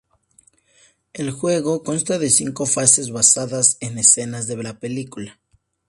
El juego consta de cinco fases basadas en escenas de la película.